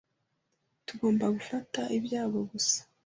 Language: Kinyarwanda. Tugomba gufata ibyago gusa.